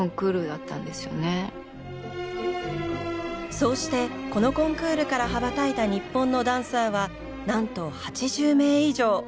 そうしてこのコンクールから羽ばたいた日本のダンサーはなんと８０名以上！